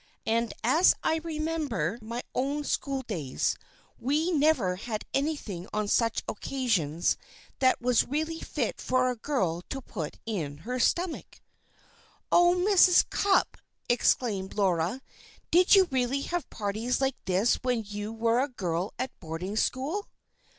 And as I remember my own schooldays, we never had anything on such occasions that was really fit for a girl to put in her stomach." "Oh, Mrs. Cupp!" exclaimed Laura, "did you really have parties like this when you were a girl at boarding school?"